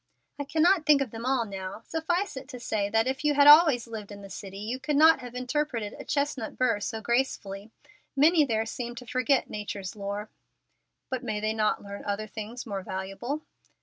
"I cannot think of them all now. Suffice it to say that if you had always lived in the city you could not have interpreted a chestnut burr so gracefully. Many there seem to forget Nature's lore." "But may they not learn other things more valuable?"